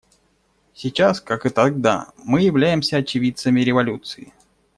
Сейчас, как и тогда, мы являемся очевидцами революции.